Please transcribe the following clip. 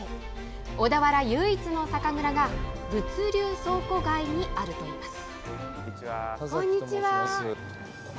小田原唯一の酒蔵が物流倉庫街にあるといいます。